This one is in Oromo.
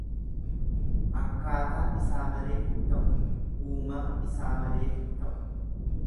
Akkaataa isaa malee hin ta'u Uumama isaa malee hin ta'u.